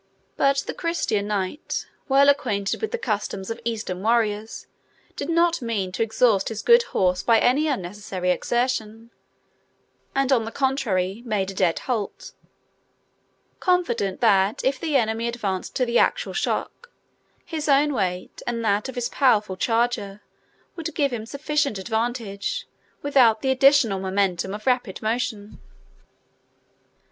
But the Christian knight, well acquainted with the customs of Eastern warriors, did not mean to exhaust his good horse by any unnecessary exertion; and, on the contrary, made a dead halt, confident that if the enemy advanced to the actual shock, his own weight, and that of his powerful charger, would give him sufficient advantage, without the additional momentum of rapid motion.